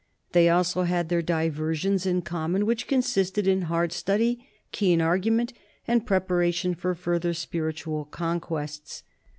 They also had their "diversions" in common, which consisted in hard study, keen argument, and preparation for further spiritual conquests.